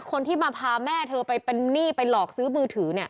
คนที่มาพาแม่เธอไปเป็นหนี้ไปหลอกซื้อมือถือ